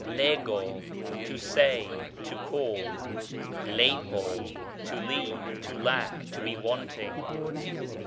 τ λέγω, to say, to call. λείπω, to leave, to lack, to be wanting.